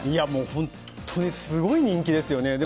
本当にすごい人気ですよね。